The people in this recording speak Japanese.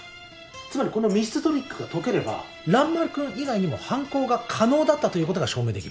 つまりこの密室トリックが解ければ蘭丸君以外にも犯行が可能だったということが証明できる。